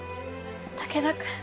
武田君。